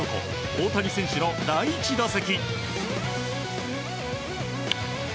大谷選手の第１打席。